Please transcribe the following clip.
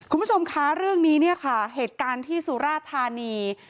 คุณผู้ชมคะเรื่องนี้เนี่ยค่ะเหตุการณ์ที่สุราธานี